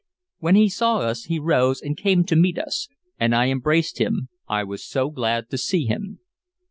When he saw us he rose and came to meet us, and I embraced him, I was so glad to see him.